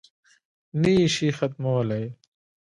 نه یې شي ختمولای.